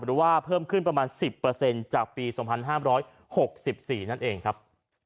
หรือว่าเพิ่มขึ้นประมาณ๑๐จากปี๒๕๖๔นั่นเองครับ